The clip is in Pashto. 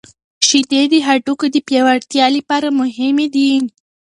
شیدې د هډوکو د پیاوړتیا لپاره مهمې دي.